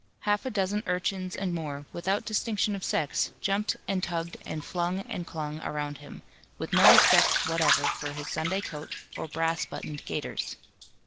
half a dozen urchins and more, without distinction of sex, jumped and tugged and flung and clung around him, with no respect whatever for his Sunday coat, or brass buttoned gaiters.